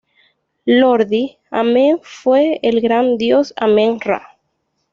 Lordi ""Amen fue el gran dios Amen-Ra.